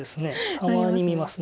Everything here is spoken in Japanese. たまに見ます。